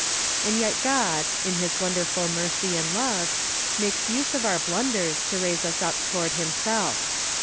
And yet God, in his wonderful mercy and love, makes use of our blunders to raise us up toward himself.